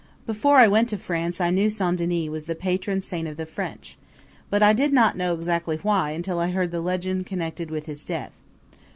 Before I went to France I knew Saint Denis was the patron saint of the French; but I did not know why until I heard the legend connected with his death.